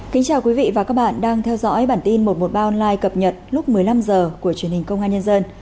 kính chào quý vị và các bạn đang theo dõi bản tin một trăm một mươi ba online cập nhật lúc một mươi năm h của truyền hình công an nhân dân